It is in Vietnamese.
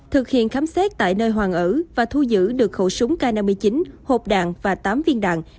thực hiện khám xét tại nơi hoàng ở và thu giữ được khẩu súng k năm mươi chín hộp đạn và tám viên đạn